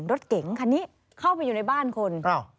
รถเก๋งคันนี้เข้าไปอยู่ในบ้านคน